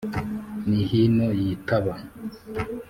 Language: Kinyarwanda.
ni hino y’itaba